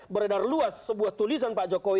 beredar luas sebuah tulisan pak jokowi